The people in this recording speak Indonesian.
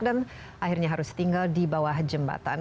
dan akhirnya harus tinggal di bawah jembatan